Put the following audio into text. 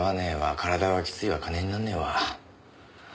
体はきついわ金になんねぇわ。